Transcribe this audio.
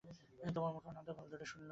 তোমার মুখে অনন্তকাল ধরে শুনলেও মন ভরত না।